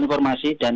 kami masih menemukan